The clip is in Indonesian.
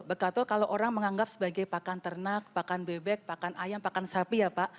bekato kalau orang menganggap sebagai pakan ternak pakan bebek pakan ayam pakan sapi ya pak